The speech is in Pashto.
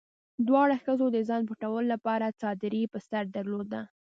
دواړو ښځو د ځان پټولو لپاره څادري په سر درلوده.